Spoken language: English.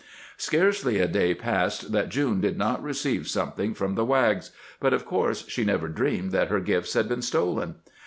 Scarcely a day passed that June did not receive something from the Wags, but of course she never dreamed that her gifts had been stolen.